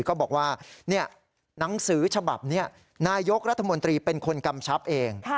ก็บอกว่าหนังสือฉบับนี้นายกรัฐมนตรีเป็นคนกำชับเอง